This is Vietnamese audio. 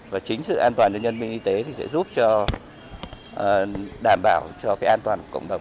và chính sự an toàn cho nhân viên y tế thì sẽ giúp cho đảm bảo cho cái an toàn của cộng đồng